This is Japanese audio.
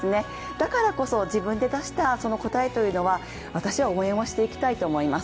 だからこそ、自分で出した答えというのは私は応援をしていきたいと思います。